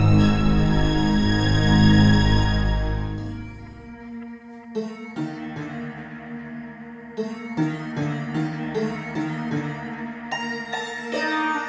sendirikan saya sebuah bunga